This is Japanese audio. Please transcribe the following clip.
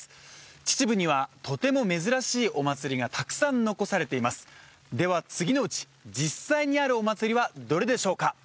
秩父にはとても珍しいお祭りがたくさん残されていますでは次のうち実際にあるお祭りはどれでしょうか？